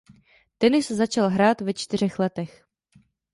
Tenis začal hrát ve čtyřech letech.